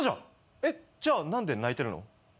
えっじゃあ何で泣いてるの？